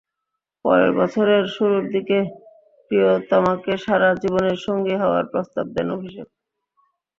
পরের বছরের শুরুর দিকে প্রিয়তমাকে সারা জীবনের সঙ্গী হওয়ার প্রস্তাব দেন অভিষেক।